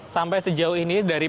sampai sejauh ini